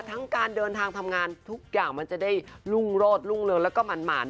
ทั้งการเดินทางทำงานทุกอย่างมันจะได้รุ่งโรดรุ่งเรืองแล้วก็หมั่น